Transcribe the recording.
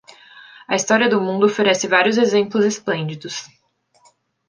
A história do mundo oferece vários exemplos esplêndidos.